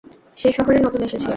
সে শহরে নতুন এসেছে।